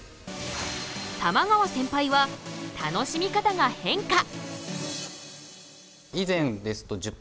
玉川センパイは「楽しみ方が変化」。